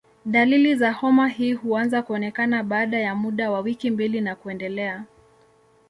Dalili za homa hii huanza kuonekana baada ya muda wa wiki mbili na kuendelea.